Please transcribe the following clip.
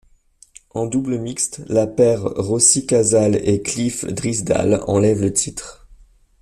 En double mixte, la paire Rosie Casals et Cliff Drysdale enlève le titre.